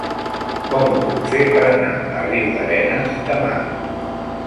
Com ho puc fer per anar a Riudarenes demà?